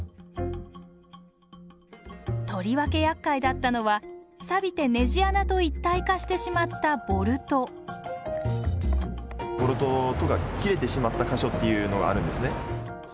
とりわけやっかいだったのはサビてネジ穴と一体化してしまったボルトボルトとか切れてしまった箇所っていうのがあるんですね。